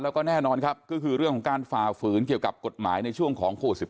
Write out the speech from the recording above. แล้วก็แน่นอนครับก็คือเรื่องของการฝ่าฝืนเกี่ยวกับกฎหมายในช่วงของโควิด๑๙